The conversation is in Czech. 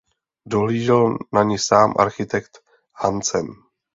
Dohlížel na ni sám architekt Hansen.